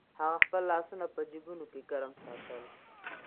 هغه خپل لاسونه په جېبونو کې ګرم ساتل.